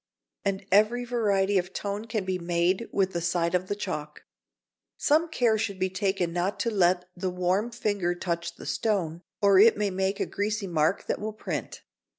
And every variety of tone can be made with the side of the chalk. Some care should be taken not to let the warm finger touch the stone, or it may make a greasy mark that will print.